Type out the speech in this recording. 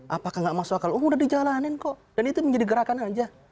apakah nggak masuk akal oh udah dijalanin kok dan itu menjadi gerakan aja